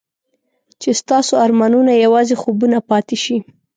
چې ستاسو ارمانونه یوازې خوبونه پاتې شي.